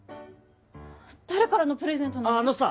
誰からのプレゼントなの？